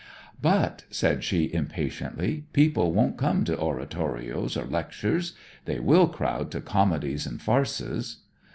'But,' said she impatiently, 'people won't come to oratorios or lectures! They will crowd to comedies and farces.'